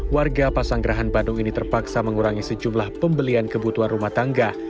warga pasanggerahan bandung ini terpaksa mengurangi sejumlah pembelian kebutuhan rumah tangga